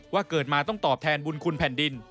เกิดมาต้องตอบแทนบุญคุณแผ่นดิน